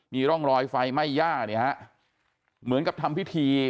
มีร่องรอยไฟไหม้ย่าเนี่ยฮะเหมือนกับทำพิธี